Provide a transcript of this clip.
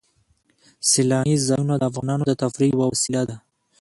سیلاني ځایونه د افغانانو د تفریح یوه وسیله ده.